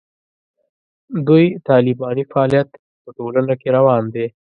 دوی طالباني فعالیت په ټولنه کې روان دی.